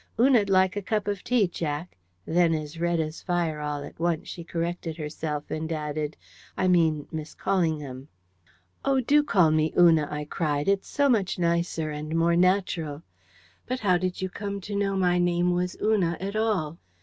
"Una'd like a cup of tea, Jack;" then as red as fire all at once, she corrected herself, and added, "I mean, Miss Callingham." "Oh, do call me Una!" I cried; "it's so much nicer and more natural.... But how did you come to know my name was Una at all?"